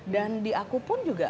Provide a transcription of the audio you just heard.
dan di aku pun juga